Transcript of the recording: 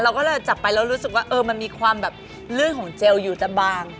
ก็เลยจับไปแล้วรู้สึกว่าเออมันมีความแบบลื่นของเจลอยู่จะบาง